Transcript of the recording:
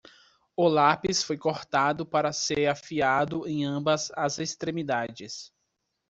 O lápis foi cortado para ser afiado em ambas as extremidades.